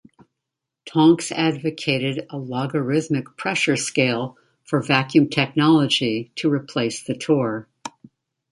Tonks advocated a logarithmic pressure scale for vacuum technology to replace the torr.